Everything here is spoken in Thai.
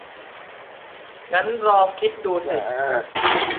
งั้นลองคิดดูสิ